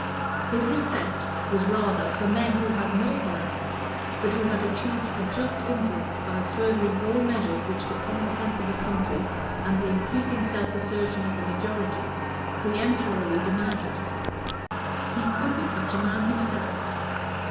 His respect was rather for men who had no coronets, but who achieved a just influence by furthering all measures which the common sense of the country, and the increasing self assertion of the majority, peremptorily demanded. He could be such a man himself.